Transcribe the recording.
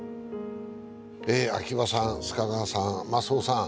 ええ場さん須賀川さん